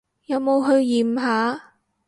有冇去驗下？